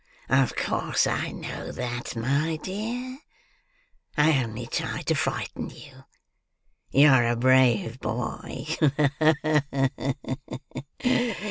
"Of course I know that, my dear. I only tried to frighten you. You're a brave boy. Ha! ha!